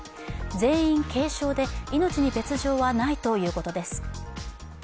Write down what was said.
全員軽症で、命に別状はないということです。